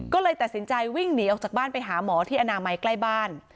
ก็เลยตัดสินใจวิ่งหนีออกจากบ้านไปหาหมอที่อนามัยใกล้บ้าน